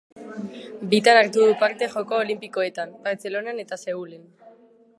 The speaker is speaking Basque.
Bitan hartu du parte Joko Olinpikoetan: Bartzelonan eta Seulen.